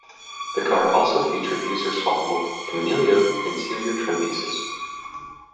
The car also featured user swappable "Cameleo" interior trim pieces.